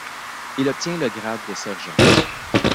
Il obtient le grade de sergent.